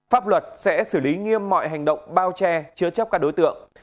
pháp luật sẽ xử lý nghiêm mọi hành động bao che chứa chấp các đối tượng